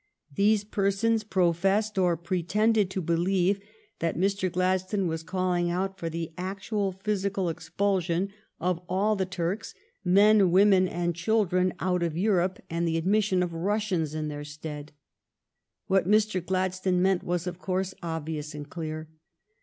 These persons professed or pretended to believe that Mr. Gladstone was calling out for the actual physical expulsion of all the Turks, men, ACHILLES RECALLED 331 women, and children, out of Europe, and the ad mission of Russians in their stead. What Mr. Gladstone meant was, of course, obvious and clear.